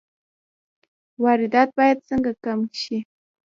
واردات باید څنګه کم شي؟